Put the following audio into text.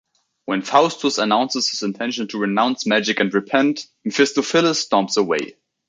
When Faustus announces his intention to renounce magic and repent, Mephistophilis storms away.